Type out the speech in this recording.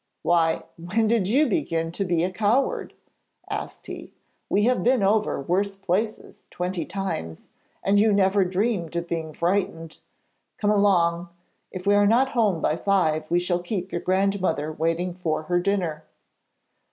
'Why, when did you begin to be a coward!' asked he. 'We have been over worse places twenty times, and you never dreamed of being frightened! Come along! If we are not home by five we shall keep your grandmother waiting for her dinner.'